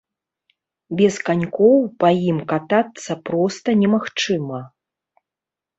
Без канькоў па ім катацца проста немагчыма.